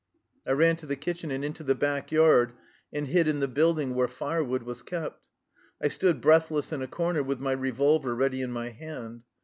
I ran to the kitchen and into the back yard and hid in the building where firewood \^as kept. I stood breathless in a corner, with my revolver ready in my hand.